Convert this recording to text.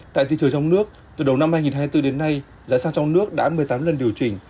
tại thị trường trong nước từ đầu năm hai nghìn hai mươi bốn đến nay giá xăng trong nước đã một mươi tám lần điều chỉnh